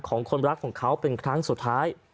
ของคนรักของเขาเป็นครั้งสุดท้าย